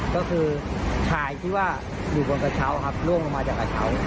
ก็คือชายที่ว่าอยู่บนกระเช้าครับล่วงลงมาจากกระเช้า